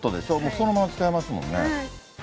そのまま使えますもんね。